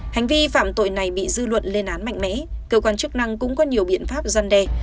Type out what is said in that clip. hành vi phạm tội này bị dư luận lên án mạnh mẽ cơ quan chức năng cũng có nhiều biện pháp gian đe